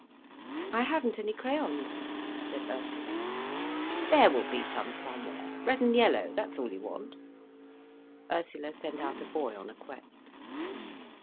"I haven't any crayons," said Ursula. "There will be some somewhere—red and yellow, that's all you want." Ursula sent out a boy on a quest.